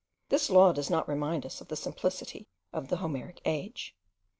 This law does not remind us of the simplicity of the Homeric age.